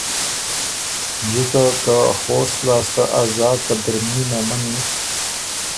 جِکه که خوست لاسته ا زاک قدرمني مېمنی،